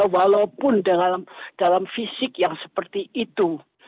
walaupun dalam fisik yang seperti itu